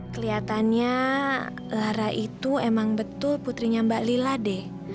keliatannya lara itu emang betul putrinya mbak lila deh